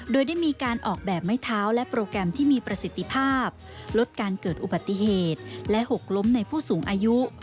โดยได้มีการออกแบบไม้เท้าและโปรแกรมที่มีประสิทธิภาพลดการเกิดอุบัติเหตุและหกล้มในผู้สูงอายุ